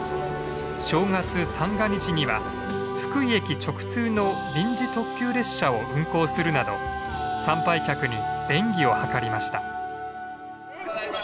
正月三が日には福井駅直通の臨時特急列車を運行するなど参拝客に便宜を図りました。